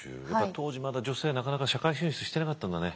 当時まだ女性なかなか社会進出してなかったんだね。